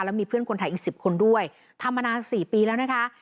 แล้วมีเพื่อนคนไทยอีก๑๐คนด้วยทำมานาน๔ปีแล้วนะคะ